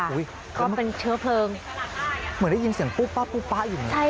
ก็เป็นเชื้อเพลิงเหมือนได้ยินเสียงปุ๊บป๊ะปุ๊บป๊ะอยู่อย่างนี้